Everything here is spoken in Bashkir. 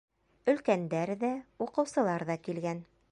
Өлкәндәр ҙә, уҡыусылар ҙа килгән.